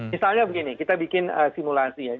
misalnya begini kita bikin simulasi ya